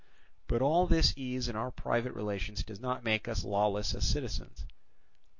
But all this ease in our private relations does not make us lawless as citizens.